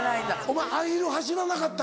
お前アヒル走らなかった？